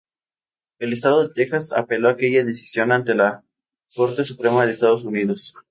El Estado de Texas apeló aquella decisión ante la Corte Suprema de Estados Unidos.